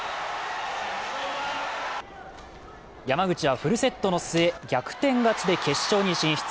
山口はフルセットの末、逆転勝ちで決勝に進出。